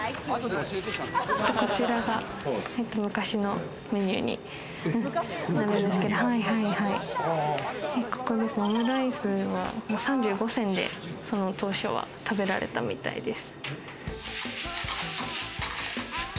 こちらが昔のメニューになるんですけれど、オムライスは３５銭で、その当初は食べられたみたいです。